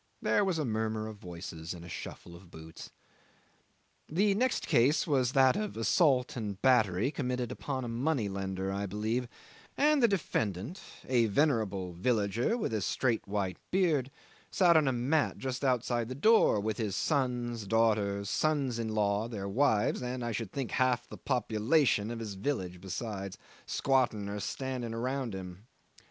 There was a murmur of voices and a shuffle of boots. 'The next case was that of assault and battery committed upon a money lender, I believe; and the defendant a venerable villager with a straight white beard sat on a mat just outside the door with his sons, daughters, sons in law, their wives, and, I should think, half the population of his village besides, squatting or standing around him.